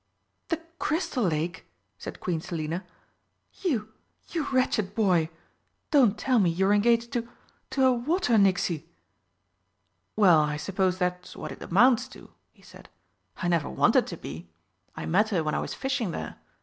"The Crystal Lake!" cried Queen Selina. "You you wretched boy! Don't tell me you're engaged to to a Water nixie!" "Well, I suppose that's what it amounts to," he said. "I never wanted to be. I met her when I was fishing there.